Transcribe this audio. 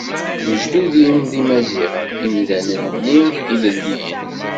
Lejdud-im d Imaziɣen, imdanen-nni ilelliyen.